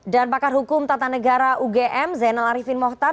dan pakar hukum tata negara ugm zainal ariefin mohtar